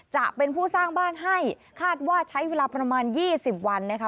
จะเป็นผู้สร้างบ้านให้คาดว่าใช้เวลาประมาณ๒๐วันนะคะ